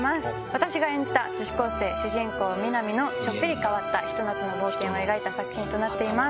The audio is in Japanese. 私が演じた女子高生主人公美波のちょっぴり変わったひと夏の冒険を描いた作品となっています。